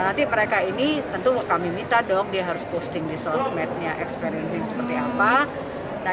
nanti mereka ini tentu kami minta dong dia harus posting di sosmednya experienting seperti apa nah